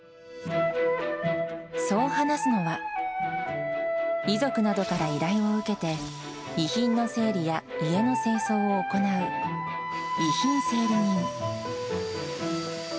そう話すのは、遺族などから依頼を受けて遺品の整理や家の清掃を行う遺品整理人。